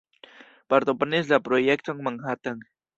Partoprenis la projekton Manhattan.